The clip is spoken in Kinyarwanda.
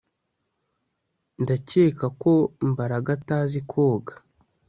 Ndakeka ko Mbaraga atazi koga